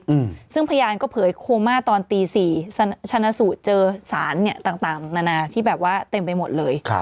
เสียชีวิตซึ่งพยานก็เผยโคม่าตอนตี๔ฉันสุเจอสารเนี่ยต่างนานาที่แบบว่าเต็มไปหมดเลย